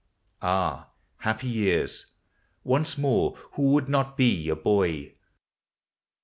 Ah! happy years! once more who would nol be a boy?